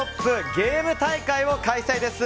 ゲーム大会を開催です。